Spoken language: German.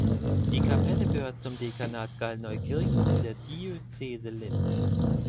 Die Kapelle gehört zum Dekanat Gallneukirchen in der Diözese Linz.